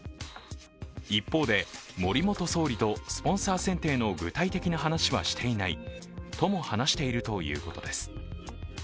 一方で、森元総理とスポンサー選定の具体的な話はしていないとも話しているということです。